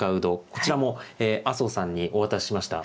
こちらも麻生さんにお渡ししました。